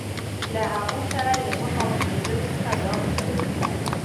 له هغوی سره یې له مخامخ کېدلو څخه ځان ژغوره.